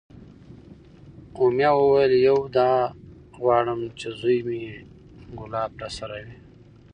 امیه وویل: یو دا غواړم چې زوی مې کلاب راسره وی،